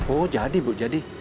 oh jadi bu jadi